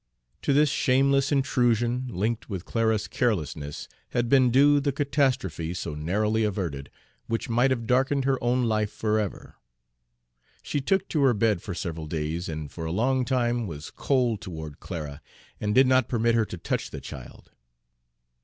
To this shameless intrusion, linked with Clara's carelessness, had been due the catastrophe, so narrowly averted, which might have darkened her own life forever. She took to her bed for several days, and for a long time was cold toward Clara, and did not permit her to touch the child.